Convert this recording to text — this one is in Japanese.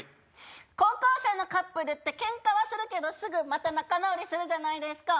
高校生のカップルってケンカはするけどすぐ仲直りするじゃないですか。